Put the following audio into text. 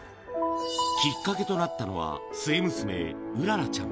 きっかけとなったのは、末娘、麗ちゃん。